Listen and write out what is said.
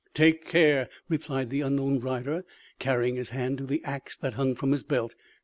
"Take care!" replied the unknown rider carrying his hand to the axe that hung from his belt.